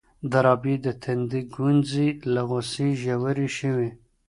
د رابعې د تندي ګونځې له غوسې ژورې شوې.